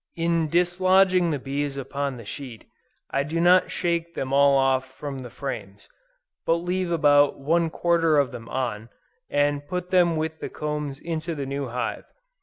In dislodging the bees upon the sheet, I do not shake them all off from the frames; but leave about one quarter of them on, and put them with the combs into the new hive.